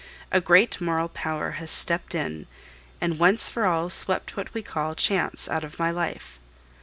A great moral power has stepped in, and once for all swept what we call chance out of my life.